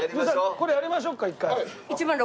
これやりましょうか一回。